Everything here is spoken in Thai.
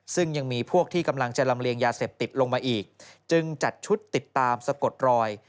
ซึ่งยังมีพวกที่กำลังจะลำเลียงยาเสพติดลงมาอีกจึงจัดชุดติดตามสะกดรอย